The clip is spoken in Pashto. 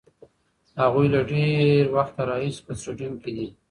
هغوی له ډېر وخته راهیسې په سټډیوم کې دي.